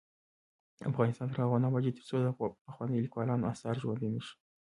افغانستان تر هغو نه ابادیږي، ترڅو د پخوانیو لیکوالانو اثار ژوندي نشي.